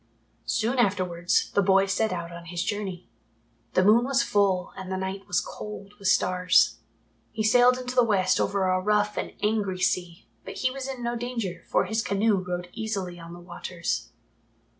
Soon afterwards, the boy set out on his journey. The moon was full and the night was cold with stars. He sailed into the West over a rough and angry sea, but he was in no danger, for his canoe rode easily on the waters.